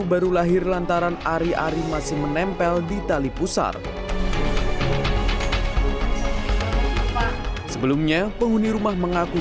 baru lahir lantaran ari ari masih menempel di tali pusar sebelumnya penghuni rumah mengaku